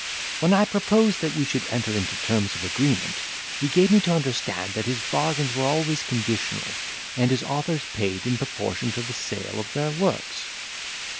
When I proposed that we should enter into terms of agreement, he gave me to understand that his bargains were always conditional, and his authors paid in proportion to the sale of their works.